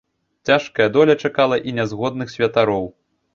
Цяжкая доля чакала і нязгодных святароў.